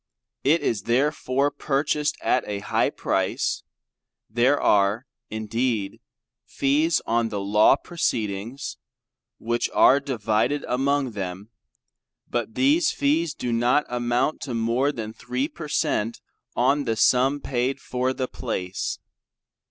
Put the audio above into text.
It is therefore purchased at a high price: There are indeed fees on the law proceedings, which are divided among them, but these fees do not amount to more than three per Cent on the sum paid for the place.